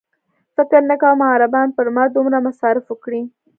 فکر نه کوم عربان پر ما دومره مصارف وکړي.